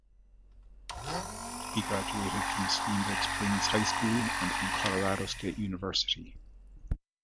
He graduated from Steamboat Springs High School and from Colorado State University.